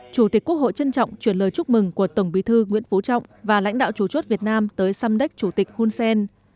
chủ tịch quốc hội trân trọng chuyển lời chúc mừng của tổng bí thư nguyễn phú trọng và lãnh đạo chủ chốt việt nam tới samdek chủ tịch hun sen